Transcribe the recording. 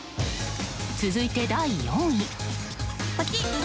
続いて第４位。